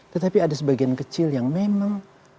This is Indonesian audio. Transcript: tetapi ada sebagian kecil yang memang